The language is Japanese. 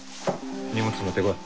荷物持ってこい。